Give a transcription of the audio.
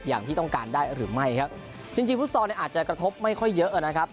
อย่างที่ต้องการได้หรือไม่ครับจริงจริงฟุตซอลเนี่ยอาจจะกระทบไม่ค่อยเยอะนะครับ